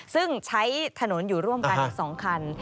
ซึ่งใช้ถนนอยู่ร่วมกันอีก๒คัน